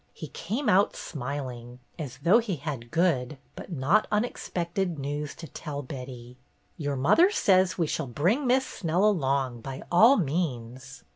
He came out smiling, as though he had good, but not unexpected, news to tell Betty. "Your mother says we shall bring Miss Snell along, by all means.